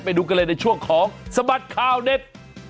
ไปดูกันเลยในช่วงของสบัดข่าวเด็ด